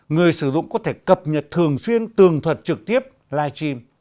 người sử dụng có thể cập nhật thường xuyên tường thuật trực tiếp live stream